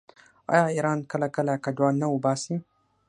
آیا ایران کله کله کډوال نه وباسي؟